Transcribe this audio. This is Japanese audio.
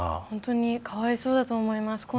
本当にかわいそうだと思います。